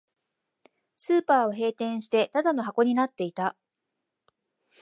スーパーは閉店して、ただの箱になっていた